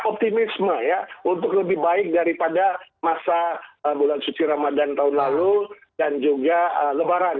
optimisme ya untuk lebih baik daripada masa bulan suci ramadan tahun lalu dan juga lebaran